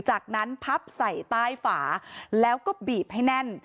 จากนั้นพับใส่ใต้ฝาแล้วก็บีบให้แน่น